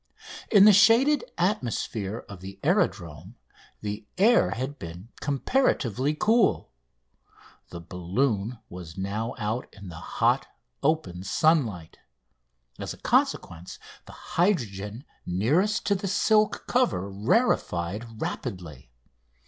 In the shaded atmosphere of the aerodrome the air had been comparatively cool. The balloon was now out in the hot, open sunlight. As a consequence, the hydrogen nearest to the silk cover rarefied rapidly.